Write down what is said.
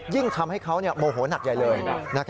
ยิ่งทำให้เขาโมโหนักใหญ่เลย